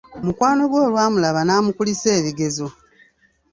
Mukwano gwe olwamulaba n'amukulisa ebigezo.